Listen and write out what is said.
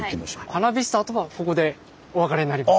ハナビスターとはここでお別れになります。